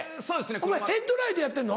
お前ヘッドライトやってるの？